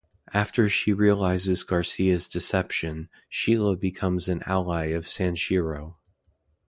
After she realises Garcia's deception, Sheila becomes an ally of Sanshiro.